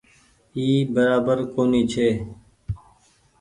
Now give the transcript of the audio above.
اي برابر ڪونيٚ ڇي۔